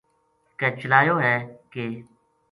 کے چلایو ہے کِ